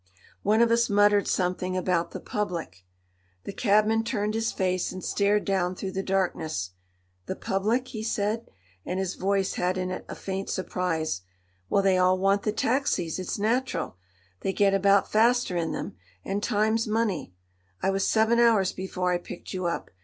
One of us muttered something about the Public. The cabman turned his face and stared down through the darkness. "The Public?" he said, and his voice had in it a faint surprise. "Well, they all want the taxis. It's natural. They get about faster in them, and time's money. I was seven hours before I picked you up.